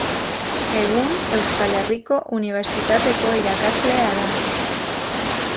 Egun Euskal Herriko Unibertsitateko irakaslea da.